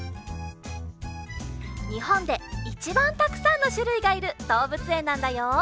にほんでいちばんたくさんのしゅるいがいるどうぶつえんなんだよ！